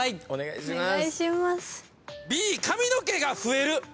お願いします。